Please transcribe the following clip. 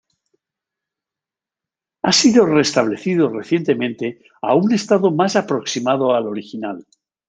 Ha sido restablecido recientemente a un estado más aproximado al original.